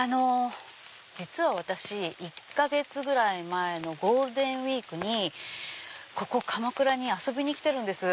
実は私１か月ぐらい前のゴールデンウイークにここ鎌倉に遊びに来てるんです。